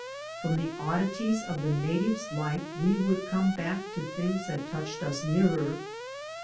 From the oddities of the native's life we would come back to things that touched us nearer.